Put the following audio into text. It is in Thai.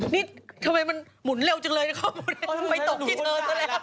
นี่ทำไมมันหยุดมุนเร็วจังเลยแล้ว